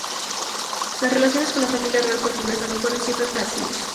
Las relaciones con la familia real portuguesa no fueron siempre fáciles.